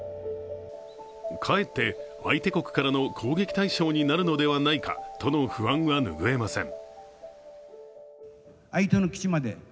かえって相手国からの攻撃対象になるのではないかとの不安は拭えません。